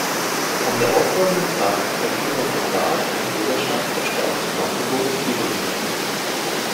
Am darauffolgenden Tag empfing er von Rat und Bürgerschaft der Stadt Magdeburg die Huldigung.